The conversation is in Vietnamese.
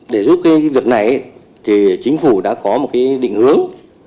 để giúp cái việc này thì chính phủ đã có một cái định hướng